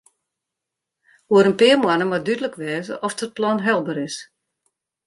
Oer in pear moanne moat dúdlik wêze oft it plan helber is.